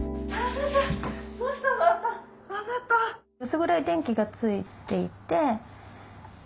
薄暗い電気がついていて。